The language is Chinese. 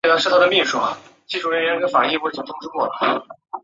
帕妮丝被岛上的人们称作天使。